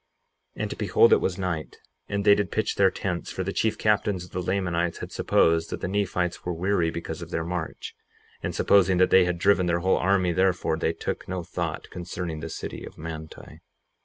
58:25 And behold, it was night and they did pitch their tents, for the chief captains of the Lamanites had supposed that the Nephites were weary because of their march; and supposing that they had driven their whole army therefore they took no thought concerning the city of Manti.